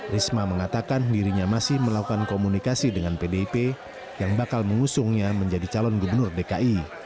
risma mengatakan dirinya masih melakukan komunikasi dengan pdip yang bakal mengusungnya menjadi calon gubernur dki